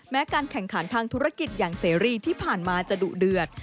การแข่งขันทางธุรกิจอย่างเสรีที่ผ่านมาจะดุเดือด